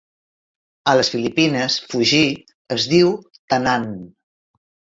A les Filipines, 'fugir' es diu 'tanan'.